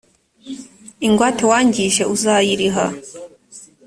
ingwate wangije uzayiriha.